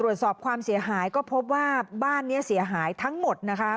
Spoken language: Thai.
ความเสียหายก็พบว่าบ้านนี้เสียหายทั้งหมดนะคะ